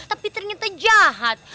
tapi ternyata jahat